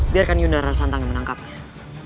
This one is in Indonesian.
biarkan yunda rasantang menangkapnya